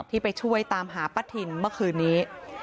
ที่ไปช่วยตามหาป้าถิ่นเมื่อคืนนี้